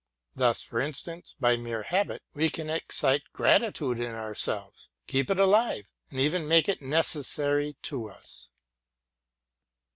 Thus, for instance, by mere habit, we can excite gratitude in ourselves, keep it alive, and even make it neces sary to us.